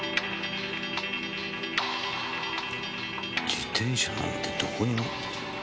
自転車なんてどこにも。